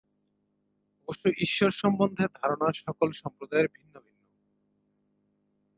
অবশ্য ঈশ্বর সম্বন্ধে ধারণা সকল সম্প্রদায়ের ভিন্ন ভিন্ন।